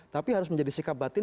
tapi harus menjadi sikap batin